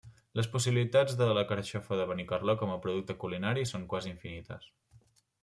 Les possibilitats de la Carxofa de Benicarló com a producte culinari són quasi infinites.